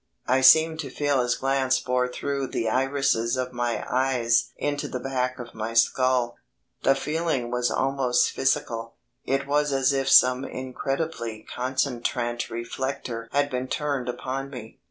I seemed to feel his glance bore through the irises of my eyes into the back of my skull. The feeling was almost physical; it was as if some incredibly concentrant reflector had been turned upon me.